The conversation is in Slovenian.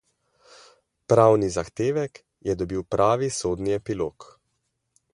Pravni zahtevek je dobil pravi sodni epilog.